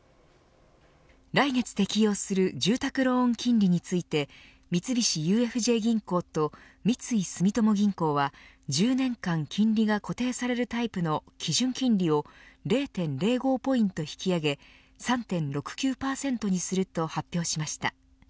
来月適用する住宅ローン金利について三菱ＵＦＪ銀行と三井住友銀行は１０年間金利が固定されるタイプの基準金利を０．０５ポイント引き上げ３．６９％にすると発表しました。